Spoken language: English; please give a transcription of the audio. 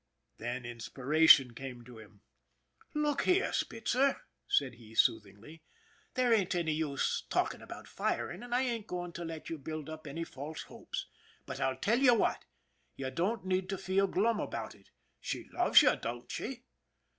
Then in spiration came to him. " Look here, Spitzer," said he, soothingly. " There ain't any use talking about firing, and I ain't going to let you build up any false hopes. But I'll tell you what, you don't need to feel glum about it. She loves you, don't she?"